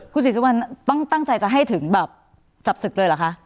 คุณศิสต์จังหวันตั้งใจจะให้ถึงบบจับศึกเลยเหรอคะ